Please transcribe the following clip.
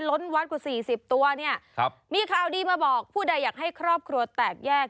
ล้นวัดกว่าสี่สิบตัวเนี่ยครับมีข่าวดีมาบอกผู้ใดอยากให้ครอบครัวแตกแยก